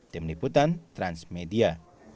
tim liputan transmedia